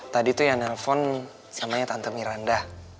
tadi tuh yang nelfon samanya tante miranda